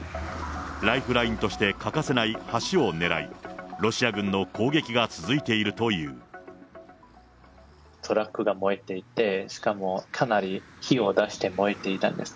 ライフラインとして欠かせない橋を狙い、ロシア軍の攻撃が続いてトラックが燃えていて、しかもかなり火を出して燃えていたんです。